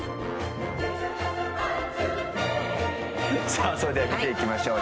さあそれでは見ていきましょう。